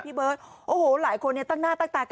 เบิร์ตโอ้โหหลายคนเนี่ยตั้งหน้าตั้งตากัน